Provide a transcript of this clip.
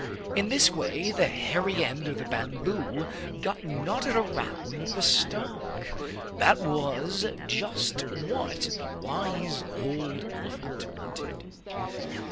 In this way the hairy end of the bamboo got knotted around the stalk. That was just what the wise old elephant wanted.